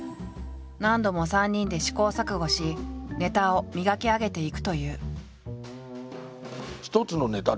何度も３人で試行錯誤しネタを磨き上げていくという。